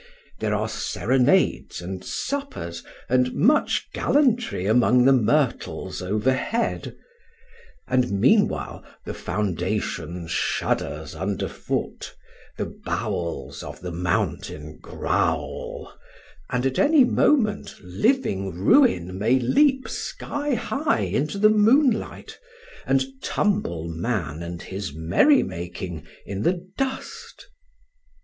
There are serenades and suppers and much gallantry among the myrtles overhead; and meanwhile the foundation shudders underfoot, the bowels of the mountain growl, and at any moment living ruin may leap sky high into the moonlight, and tumble man and his merry making in the dust.